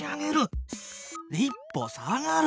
一歩下がる！